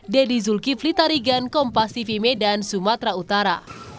deni zulkifli tarigan kompas tv medan sumatera utara